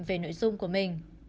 về nội dung của mình